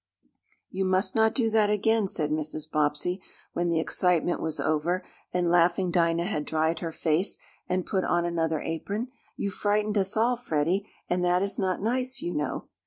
"You must not do that again," said Mrs. Bobbsey, when the excitement was over, and laughing Dinah had dried her face, and put on another apron. "You frightened us all, Freddie, and that is not nice, you know."